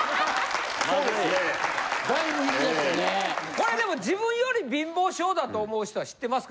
これでも自分より貧乏性だと思う人は知ってますか？